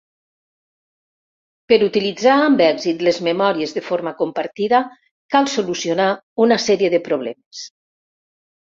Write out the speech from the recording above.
Per utilitzar amb èxit les memòries de forma compartida cal solucionar una sèrie de problemes.